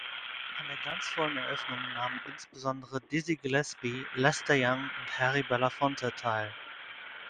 An der glanzvollen Eröffnung nahmen insbesondere Dizzy Gillespie, Lester Young und Harry Belafonte teil.